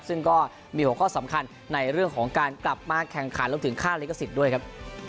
ซึ่งก็มีหัวข้อสำคัญในเรื่องของการกลับมาแข่งขันรวมถึงค่าลิขสิทธิ์ด้วยครับ